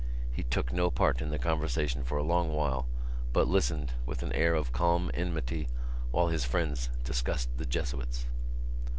He took no part in the conversation for a long while but listened, with an air of calm enmity, while his friends discussed the Jesuits.